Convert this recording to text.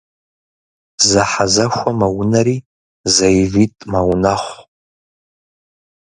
Зэхьэзэхуэ мэунэри зэижитӏ мэунэхъу.